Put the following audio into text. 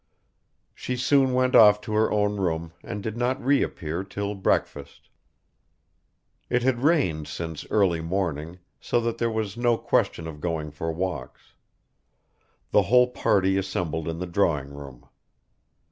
She soon went off to her own room and did not reappear till breakfast. It had rained since early morning, so that there was no question of going for walks. The whole party assembled in the drawing room.